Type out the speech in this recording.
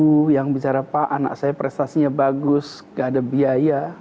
ibu yang bicara pak anak saya prestasinya bagus gak ada biaya